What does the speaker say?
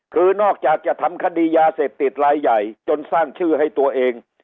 คือนอกจากจะทำคดียาเสพติดลายใหญ่จนสร้างชื่อให้ตัวเอง